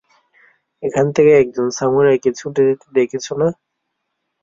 এখান থেকে একজন সামুরাইকে ছুটে যেতে দেখেছো না?